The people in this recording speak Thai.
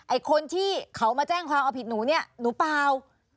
ไอ้คนที่เขามาแจ้งความเอาผิดหนูเนี่ยหนูเปล่า